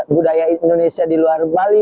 budaya indonesia di luar bali